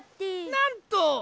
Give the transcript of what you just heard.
なんと！